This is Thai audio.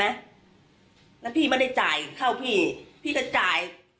แล้วพี่ไม่ได้จ่ายเข้าพี่พี่ก็จ่าย